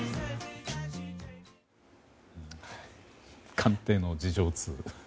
官邸の事情通。